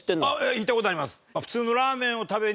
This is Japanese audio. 行った事あります。